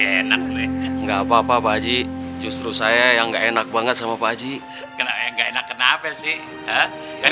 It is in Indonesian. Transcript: enak nggak apa apa pak haji justru saya yang enak banget sama pak haji enak kenapa sih kan